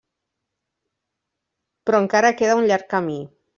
Però encara queda un llarg camí.